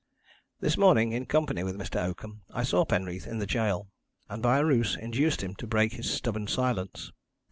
"This morning, in company with Mr. Oakham, I saw Penreath in the gaol, and by a ruse induced him to break his stubborn silence.